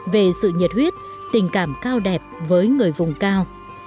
về sự nhiệt huyết tình cảm cao đẹp với người vùng cao